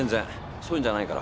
そういうのじゃないから。